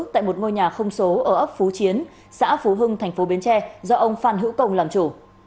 tại một ngôi nhà không số ở ấp phú chiến xã phú hưng tp sóc trăng do ông phan hữu công làm chủ